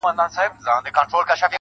له خوب چي پاڅي، توره تياره وي.